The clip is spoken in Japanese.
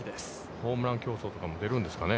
ホームラン競争とかも出るんですかね。